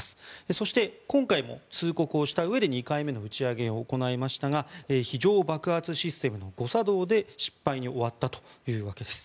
そして、今回も通告をしたうえで２回目の打ち上げを行いましたが非常爆発システムの誤作動で失敗に終わったというわけです。